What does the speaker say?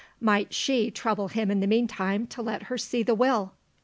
Might she trouble him in the meantime to let her see the Will?